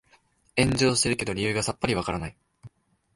炎上してるけど理由がさっぱりわからない